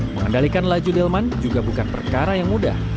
mengendalikan laju delman juga bukan perkara yang mudah